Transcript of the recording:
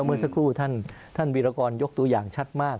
เมื่อสักครู่ท่านวิรากรยกตัวอย่างชัดมาก